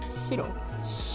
白？